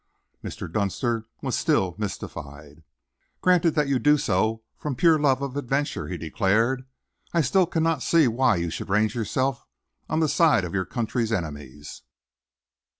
Mr. Dunster was still mystified. "Granted that you do so from pure love of adventure," he declared, "I still cannot see why you should range yourself on the side of your country's enemies.